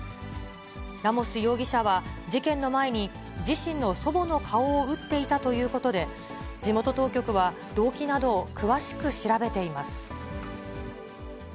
ラモス容疑者は、事件の前に、自身の祖母の顔を撃っていたということで、地元当局は、動機などを詳しく調べています。